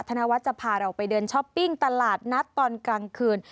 ธนวัฒน์จะพาเราไปเดินช้อปปิ้งตลาดนัดตอนกลางคืน